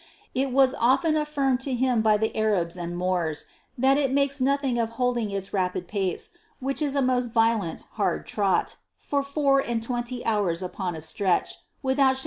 It was often affirmed to him by the Arabs and Moors, that it makes nothing of holding its rapid pace, which is a most violent hard trot, for four and twenty hours upon a stretch, without showing the least sign 14.